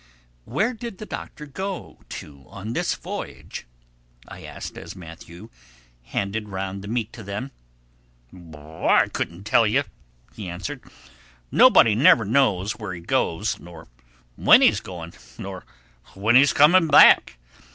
"Where did the Doctor go to on this voyage?" I asked as Matthew handed round the meat to them. "I couldn't tell you," he answered. "Nobody never knows where he goes, nor when he's going, nor when he's coming back.